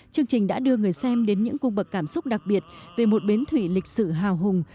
chương trình đã đưa người xem đến những cung bậc cảm xúc đặc biệt về một bến thủy lịch sử hào hùng